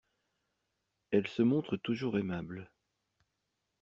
Elle se montre toujours aimable.